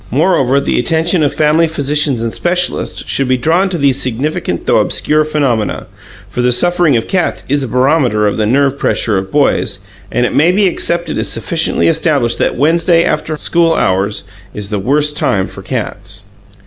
Moreover, the attention of family physicians and specialists should be drawn to these significant though obscure phenomena; for the suffering of cats is a barometer of the nerve pressure of boys, and it may be accepted as sufficiently established that Wednesday after school hours is the worst time for cats.